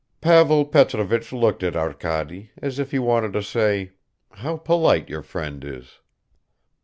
Pavel Petrovich looked at Arkady, as if he wanted to say, "How polite your friend is."